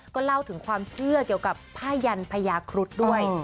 ก็เล่าถึงความเชื่อเกี่ยวกับผ้ายันพญาครุฑด้วย